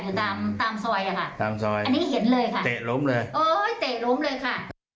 ตามซอยอันนี้เห็นเลยค่ะเตะล้มเลยโอ้ยเตะล้มเลยค่ะ